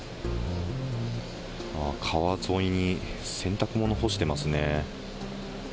ああ、川沿いに洗濯物干してますね。